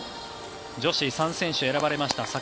女子３選手選ばれました。